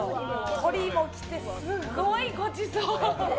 鶏も来て、すごいごちそう！